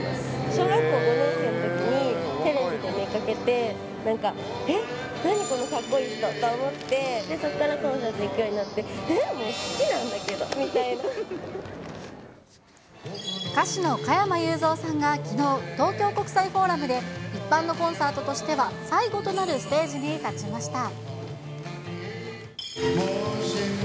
小学校５年生のときにテレビで見かけて、なんか、えっ、何このかっこいい人と思って、そこからコンサート行くようになって、えっ、もう好きなんだけど歌手の加山雄三さんがきのう、東京国際フォーラムで一般のコンサートとしては最後となるステージに立ちました。